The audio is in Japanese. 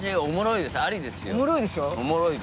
おもろいです。